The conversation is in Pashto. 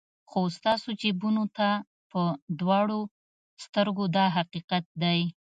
خو ستاسو جیبونو ته په دواړو سترګو دا حقیقت دی.